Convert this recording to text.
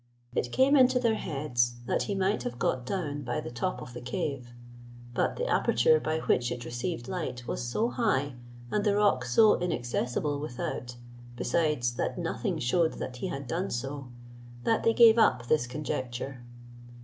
It came into their heads that he might have got down by the top of the cave; but the aperture by which it received light was so high, and the rock so inaccessible without, besides that nothing shewed that he had done so, that they gave up this conjecture.